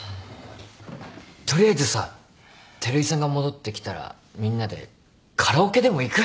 取りあえずさ照井さんが戻ってきたらみんなでカラオケでも行く？